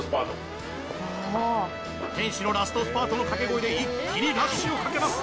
店主のラストスパートの掛け声で一気にラッシュをかけます。